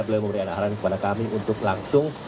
beliau memberikan arahan kepada kami untuk langsung